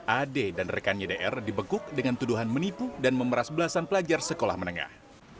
ade dan rekannya dr dibekuk dengan tuduhan menipu dan memeras belasan pelajar sekolah menengah